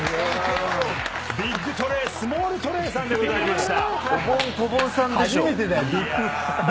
ビッグトレイスモールトレイさんでございました。